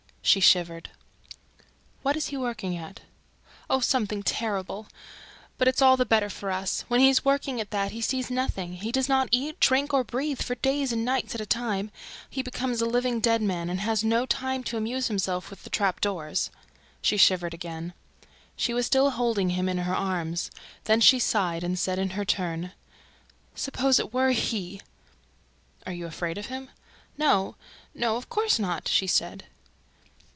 She shivered. "What is he working at?" "Oh, something terrible! ... But it's all the better for us... When he's working at that, he sees nothing; he does not eat, drink, or breathe for days and nights at a time ... he becomes a living dead man and has no time to amuse himself with the trap doors." She shivered again. She was still holding him in her arms. Then she sighed and said, in her turn: "Suppose it were HE!" "Are you afraid of him?" "No, no, of course not," she said.